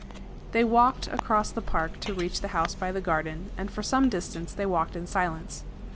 They walked across the park to reach the house by the garden, and for some distance they walked in silence.